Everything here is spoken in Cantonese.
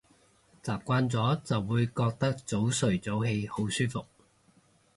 習慣咗就會覺得早睡早起好舒服